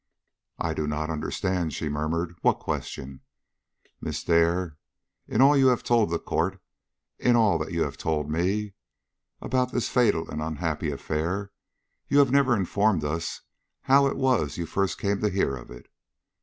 "I do not understand," she murmured; "what question?" "Miss Dare, in all you have told the court, in all that you have told me, about this fatal and unhappy affair, you have never informed us how it was you first came to hear of it.